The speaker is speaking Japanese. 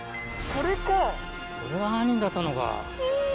これが犯人だったのか。